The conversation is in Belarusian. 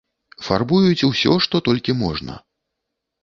Фарбуюць усё, што толькі можна.